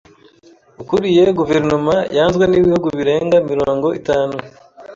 ukuriye guverinoma yanzwe n'ibihugu birenga mirongo itanu